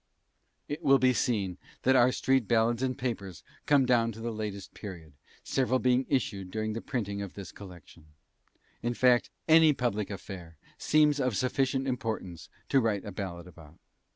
It will be seen that our street ballads and "papers" come down to the latest period, several being issued during the printing of this collection; in fact, any public affair seems of sufficient importance to write a ballad about.